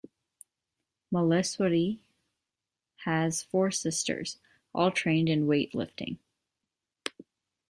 Malleswari has four sisters, all trained in weightlifting.